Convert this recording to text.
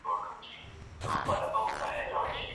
د ږدن په پټي کي له ډاره اتڼ ړنګ سوی و.